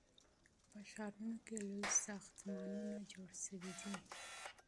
په ښارونو کې لوی ساختمانونه جوړ سوي دي.